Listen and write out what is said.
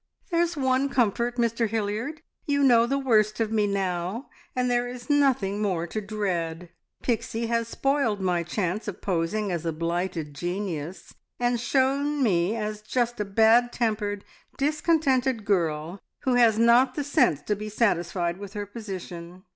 "There's one comfort, Mr Hilliard. You know the worst of me now, and there is nothing more to dread. Pixie has spoiled my chance of posing as a blighted genius, and shown me as just a bad tempered, discontented girl who has not the sense to be satisfied with her position.